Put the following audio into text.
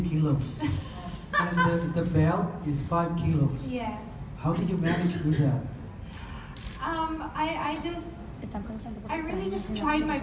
ชีวิตประจำชาติของฟิลิปปินซ์มันหนักถึง๕๐กิโลกรัม